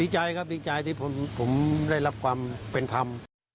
ใจครับดีใจที่ผมได้รับความเป็นธรรม